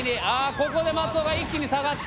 ここで松尾が一気に下がった。